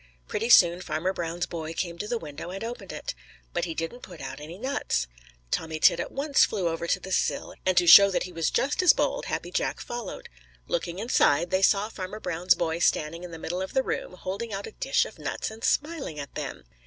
Pretty soon Farmer Brown's boy came to the window and opened it. But he didn't put out any nuts. Tommy Tit at once flew over to the sill, and to show that he was just as bold, Happy Jack followed. Looking inside, they saw Farmer Brown's boy standing in the middle of the room, holding out a dish of nuts and smiling at them.